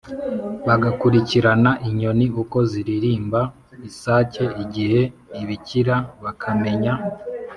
Bagakurikirana inyoni uko ziririmba, isake igihe ibikira, bakamenya